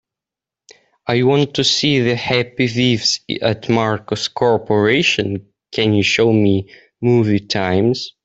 I want to see The Happy Thieves at Marcus Corporation, can you show me movie times